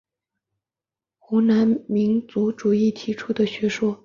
湖南民族主义提出的学说。